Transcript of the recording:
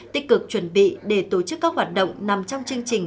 tích cực chuẩn bị để tổ chức các hoạt động nằm trong chương trình